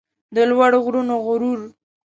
د لوړو غرونو غرور